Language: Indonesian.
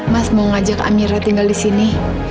mas mau ngajak amira tinggal di sini